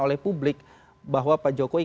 oleh publik bahwa pak jokowi